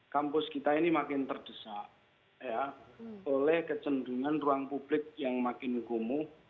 kampus kita ini makin terdesak oleh kecendungan ruang publik yang makin kumuh